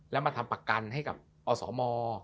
แล้วมาทำประกันให้กับอสม